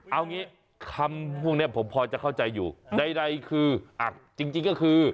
เอางี้คำพวกนี้ผมพอจะเข้าใจอยู่ใดคืออ่ะจริงก็คือ